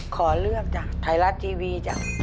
ขอเลือกจากไทรัตท์ทีวีจ้ะ